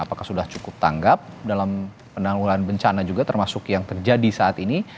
apakah sudah cukup tanggap dalam penanggulan bencana juga termasuk yang terjadi saat ini